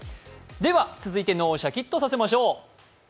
では続いて脳をシャキッとさせましょう。